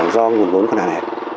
do nguồn vốn còn hạ hẹp